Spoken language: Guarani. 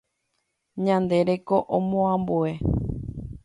Ñande reko omoambue.